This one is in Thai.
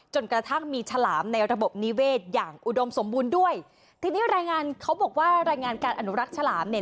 จนกระทั่งมีฉลามในระบบนิเวศอย่างอุดมสมบูรณ์ด้วยทีนี้รายงานเขาบอกว่ารายงานการอนุรักษ์ฉลามเนี่ย